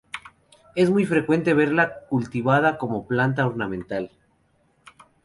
Es muy frecuente verla cultivada como planta ornamental.